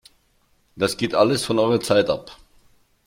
Das geht alles von eurer Zeit ab!